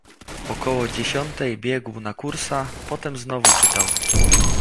"Około dziesiątej biegł na kursa, potem znowu czytał."